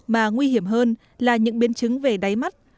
mà nguy hiểm hơn là những biến chứng về đáy mắt